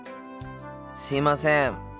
すいません。